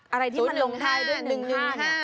อะไรที่มันลงท้ายด้วย๑๕เนี่ย๐๑๕๑๑๕๒๑๕